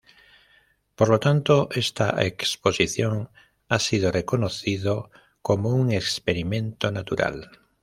Por lo tanto, esta exposición ha sido reconocido como un experimento natural.